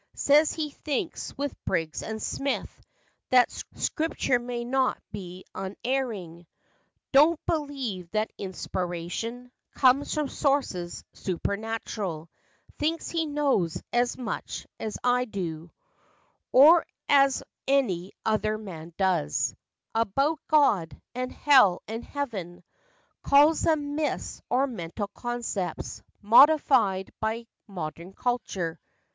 Says he thinks with Briggs and Smith, that Scripture may not be unerring— Do n't believe that inspiration Comes from sources supernatur'l; Thinks he knows as much as I do, FACTS AND FANCIES. Or as any other man does, About God, and hell, and h'eaven ; Calls them myths, or mental concepts, Modified by modern culture.